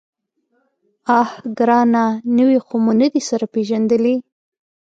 _اه ګرانه! نوي خو مو نه دي سره پېژندلي.